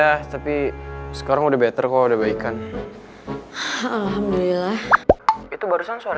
ya tapi sekarang udah better kok udah baikan alhamdulillah itu barusan suara